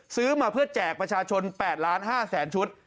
ซื้อมาเพื่อแจกประชาชน๘๕๐๐๐ชุด